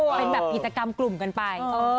เป็นแบบกิจกรรมกลุ่มกันไป